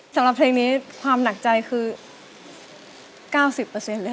สำหรับเพลงนี้ความหนักใจคือ๙๐เปอร์เซ็นต์เลย